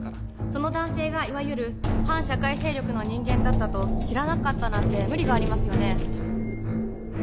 その男性がいわゆる反社会勢力の人間だったと知らなかったなんて無理がありますよね？